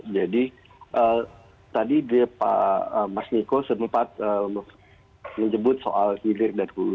jadi tadi mas niko sempat menyebut soal hilir dan bulu